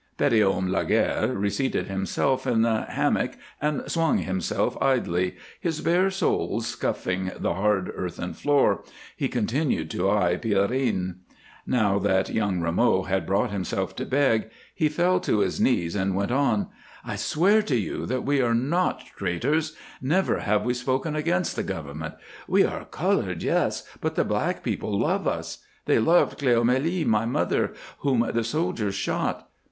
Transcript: Petithomme Laguerre reseated himself in the hammock and swung himself idly, his bare soles scuffing the hard earthen floor; he continued to eye Pierrine. Now that young Rameau had brought himself to beg, he fell to his knees and went on: "I swear to you that we are not traitors. Never have we spoken against the government. We are 'colored,' yes, but the black people love us. They loved Cleomélie, my mother, whom the soldiers shot.